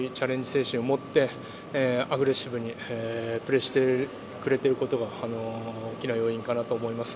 精神を持ってアグレッシブにプレーしてくれていることが大きな要因かなと思います。